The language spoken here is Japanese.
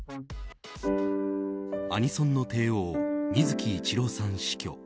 アニソンの帝王水木一郎さん死去。